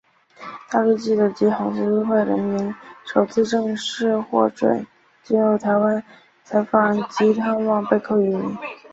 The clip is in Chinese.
大陆记者及红十字会人员首次正式获准进入台湾采访及探望被扣渔民。